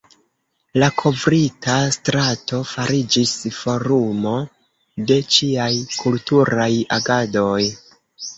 La kovrita strato fariĝis forumo de ĉiaj kulturaj agadoj.